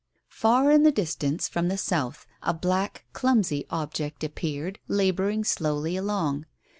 Far in the distance, from the south, a black clumsy object appeared, labouring slowly along.